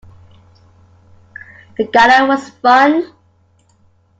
The Gala was fun.